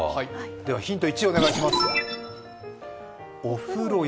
ではヒント１、お願いします。